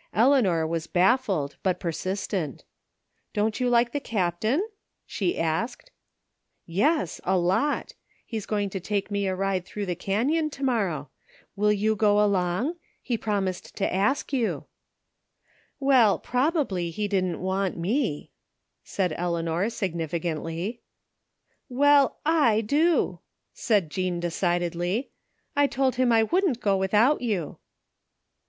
'* Eleanor was baffled, but persistent " Don't you like the Captain? " she asked. " Yes, a lot He's going to take me a ride through 202 THE FINDING OF JASPER HOLT the canyon tomorrow. Will you go along? He promised to ask yott" " Well, probably he didn't want me," said Eleanor significantly. " Well, / do," said Jean decidedly. " I told him I wouldn't go without you."